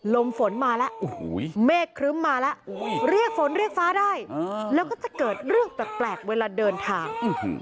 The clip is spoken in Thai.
ลมฝนมาแล้วเมฆครึ้มมาแล้วเรียกฝนเรียกฟ้าได้แล้วก็จะเกิดเรื่องแปลกเวลาเดินทาง